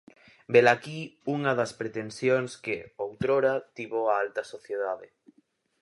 Velaquí unha das pretensión que, outrora, tivo a alta sociedade.